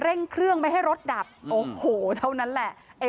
เร่งเครื่องไม่ให้รถดับโอ้โหเท่านั้นแหละ